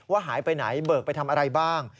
หายไปไหนเบิกไปทำอะไรบ้าง